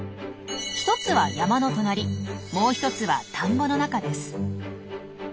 一つは山の隣もう一つは田んぼの中です。